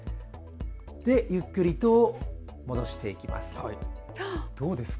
ゆっくりと戻していきます。